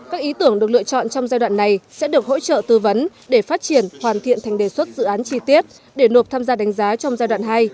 các ý tưởng được lựa chọn trong giai đoạn này sẽ được hỗ trợ tư vấn để phát triển hoàn thiện thành đề xuất dự án chi tiết để nộp tham gia đánh giá trong giai đoạn hai